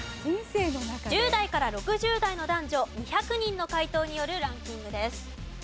１０代から６０代の男女２００人の回答によるランキングです。